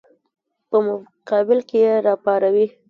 په مقابل کې یې راپاروي.